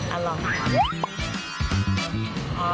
เอาล่ะ